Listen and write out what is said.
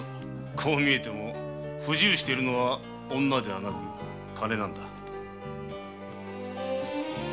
こう見えても不自由しているのは女ではなく金なんだ。